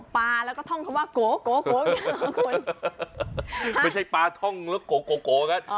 ปลาแล้วก็ท่องคำว่าโก๋โก๋โก๋ไม่ใช่ปลาท่องแล้วก็โก๋โก๋โก๋นะ